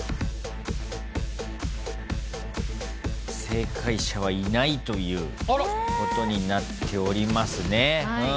正解者はいないということになっておりますね。